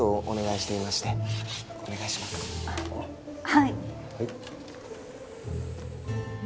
はい